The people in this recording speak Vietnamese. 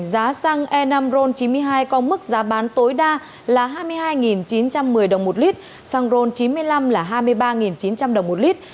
giá xăng e năm ron chín mươi hai có mức giá bán tối đa là hai mươi hai chín trăm một mươi đồng một lít xăng ron chín mươi năm là hai mươi ba chín trăm linh đồng một lít